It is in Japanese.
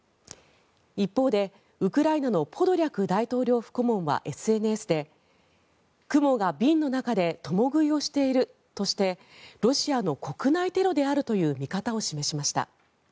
一方でウクライナのポドリャク大統領府顧問はＳＮＳでクモが瓶の中で共食いをしているとしてロシアの国内テロであるという見方を示しました。